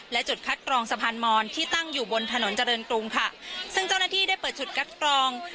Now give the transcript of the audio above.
และจุดคัดกรองสะพานมอนที่ตั้งอยู่บนถนนเจริญกรุงค่ะซึ่งเจ้าหน้าที่ได้เปิดจุดคัดกรอง